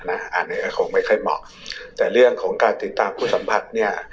อันนี้ก็คงไม่ค่อยเหมาะแต่เรื่องของการติดตามผู้สัมผัสเนี่ย